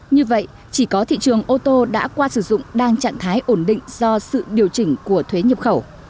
như vậy chỉ có thị trường ô tô đã qua sử dụng đang trạng thái ổn định do sự điều chỉnh của thuế nhập khẩu